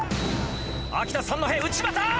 秋田三戸内股！